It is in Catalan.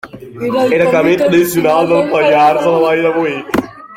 Era el camí tradicional del Pallars a la vall de Boí.